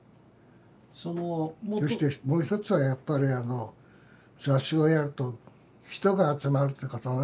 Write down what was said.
そしてもう一つはやっぱりあの雑誌をやると人が集まるってことね。